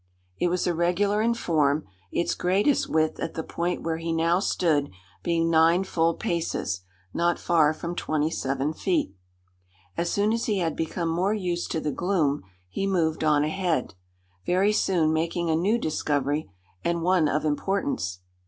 It was irregular in form, its greatest width at the point where he now stood being nine full paces, not far from twenty seven feet. As soon as he had become more used to the gloom he moved on ahead, very soon making a new discovery, and one of importance.